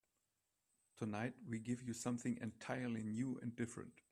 Tonight we give you something entirely new and different.